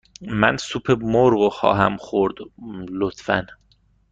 من سوپ مرغ خواهم خورد، لطفاً.